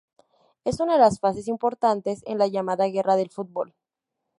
Es una de las fases importantes en la llamada guerra del fútbol.